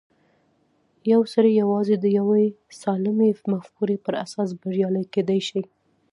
يو سړی يوازې د يوې سالمې مفکورې پر اساس بريالی کېدای شي.